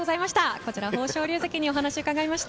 こちら豊昇龍関にお話を伺いました。